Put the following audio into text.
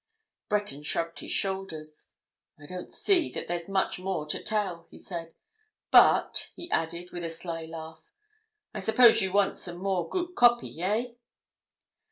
Breton shrugged his shoulders. "I don't see that there's much more to tell," he said. "But," he added, with a sly laugh, "I suppose you want some more good copy, eh?"